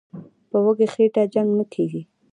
"په وږي خېټه جنګ نه کېږي".